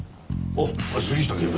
あっ杉下警部。